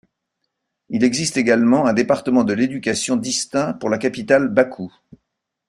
Il existe également un département de l'éducation distinct pour la capitale Bakou.